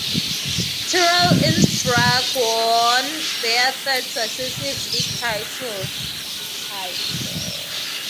Tirol Innsbruck won their third successive league title.